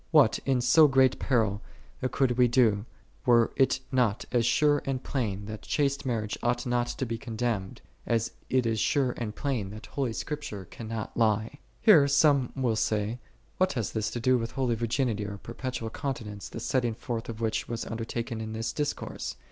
What in so great peril could we do, were it not as sure and plain that chaste marriage ought not to be condemned, as it is sure and plain that holy Scripture cannot lie? 21. Here some one will say, What has this to do with holy virginity, or perpetual conti nence, the setting forth of which was under taken in this discourse